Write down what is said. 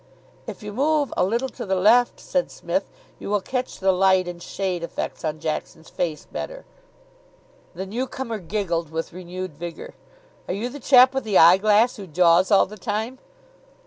"If you move a little to the left," said Psmith, "you will catch the light and shade effects on Jackson's face better." The new comer giggled with renewed vigour. "Are you the chap with the eyeglass who jaws all the time?"